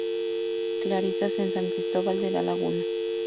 Clarisas en San Cristóbal de La Laguna.